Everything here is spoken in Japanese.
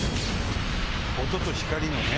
音と光のね。